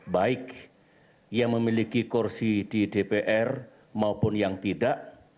baik yang memiliki kursi di dpr maupun yang tidak